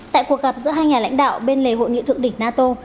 tại cuộc gặp giữa hai nhà lãnh đạo bên lề hội nghị thượng đỉnh nato